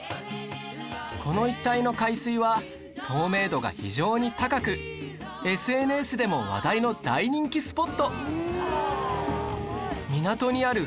この一帯の海水は透明度が非常に高く ＳＮＳ でも話題の大人気スポット！